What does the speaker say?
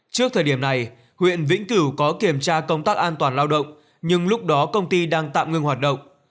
trước thời điểm này huyện vĩnh cửu có kiểm tra công tác an toàn lao động nhưng lúc đó công ty đang tạm ngưng hoạt động